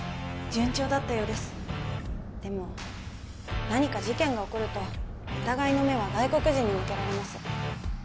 順調だったようですでも何か事件が起こると疑いの目は外国人に向けられます